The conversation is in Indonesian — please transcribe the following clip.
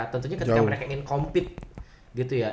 tentunya ketika mereka ingin compete gitu ya